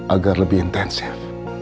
agar lebih intensif